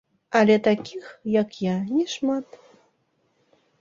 Але такіх, як я не шмат.